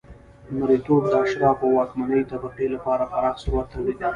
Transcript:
مریتوب د اشرافو او واکمنې طبقې لپاره پراخ ثروت تولیدوي